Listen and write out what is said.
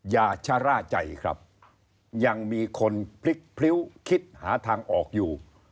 อย่าชะล่าใจครับยังมีคนพลิกพริ้วคิดหาทางออกอยู่